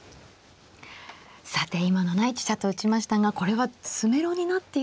さて今７一飛車と打ちましたがこれは詰めろになっているんでしょうか。